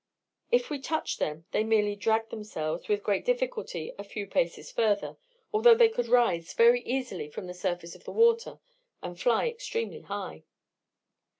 If we touched them, they merely dragged themselves, with great difficulty, a few paces further, although they could rise very easily from the surface of the water, and fly extremely high.